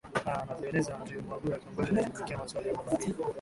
a anavyoeleza andrew mwagura kiongozi anayeshughulikia maswali ya mabaharia